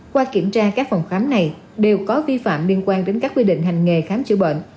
qua kiểm tra các phòng khám này đều có vi phạm liên quan đến các quy định hành nghề khám chữa bệnh